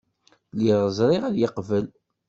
Lliɣ ẓriɣ ad yeqbel.